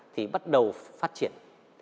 thì bắt đầu phát triển